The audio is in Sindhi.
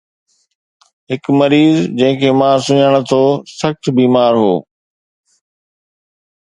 هڪ مريض جنهن کي مان سڃاڻان ٿو سخت بيمار هو